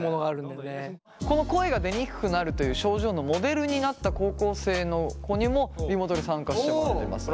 この声が出にくくなるという症状のモデルになった高校生の子にもリモートで参加してもらってます。